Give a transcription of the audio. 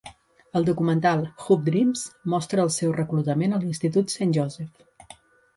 El documental "Hoop Dreams" mostra el seu reclutament a l'institut St. Joseph.